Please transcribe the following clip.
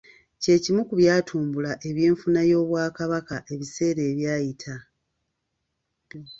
Kye kimu ku byatumbula ebyenfuna by’Obwakabaka ebiseera ebyayita.